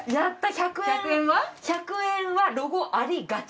１００円はロゴありがち。